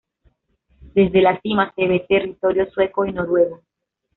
Desde la cima se ve territorio sueco y noruego.